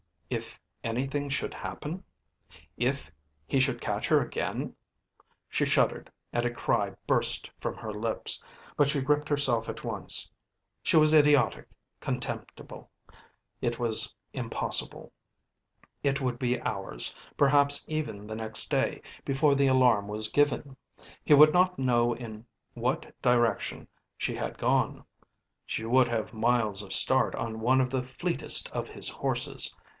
If anything should happen? If he should catch her again? She shuddered, and a cry burst from her lips, but she gripped herself at once. She was idiotic, contemptible; it was impossible. It would be hours, perhaps even the next day, before the alarm was given; he would not know in what direction she had gone. She would have miles of start on one of the fleetest of his horses.